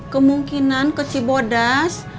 kemungkinan ke cibaudas